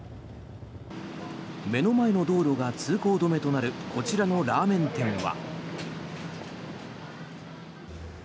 目の前の道路が通行止めとなるこちらのラーメン店は。